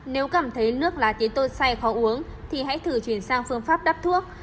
nếu cảm thấy nước lá tế tô say khó uống thì hãy thử chuyển sang phương pháp đắp thuốc